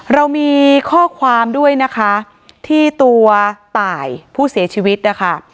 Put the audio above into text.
เรามีข้อความด้วยนะคะที่ตัวตายผู้เสียชีวิตนะคะ